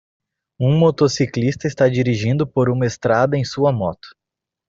Um motociclista está dirigindo por uma estrada em sua moto.